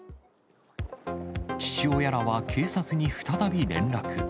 父親らは警察に再び連絡。